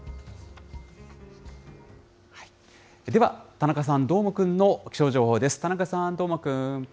では、田中さん、どーもくんの気象情報です。